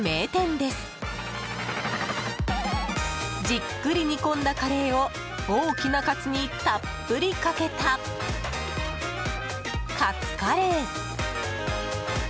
じっくり煮込んだカレーを大きなカツにたっぷりかけたカツカレー。